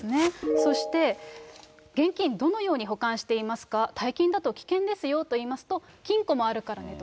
そして、現金どのように保管していますか、大金だと危険ですよと言いますと、金庫もあるからねと。